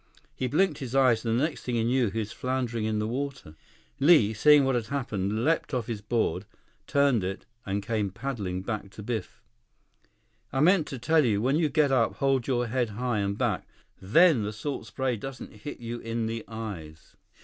He blinked his eyes, and the next thing he knew, he was floundering in the water. Li, seeing what had happened, leaped off his board, turned it, and came paddling back to Biff. "I meant to tell you. When you get up, hold your head high, and back. Then the salt spray doesn't hit you in the eyes."